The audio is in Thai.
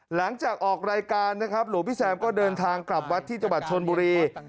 หลังจากออกรายการนะครับหลวงพี่แซมก็เดินทางกลับวัดที่จังหวัดชนบุรี